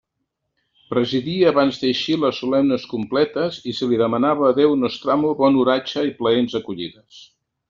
Presidia abans d'eixir les solemnes completes, i se li demanava a Déu Nostramo bon oratge i plaents acollides.